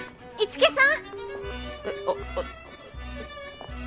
樹さん！